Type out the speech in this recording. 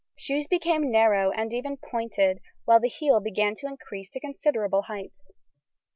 Shoes became narrow and even pointed, while the heel began to increase to considerable heights.